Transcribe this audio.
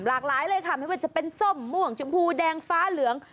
หลากหลายเลยค่ะไม่ว่าจะเป็นส้มม่วงชมพูแดงฟ้าเหลือง